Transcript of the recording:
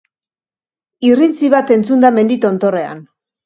Irrintzi bat entzun da mendi tontorrean.